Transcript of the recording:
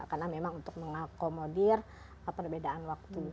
karena memang untuk mengakomodir perbedaan waktu